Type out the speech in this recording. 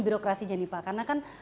birokrasinya nih pak karena kan